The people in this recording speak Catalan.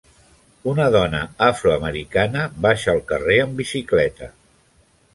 Una dona afroamericana baixa el carrer en bicicleta.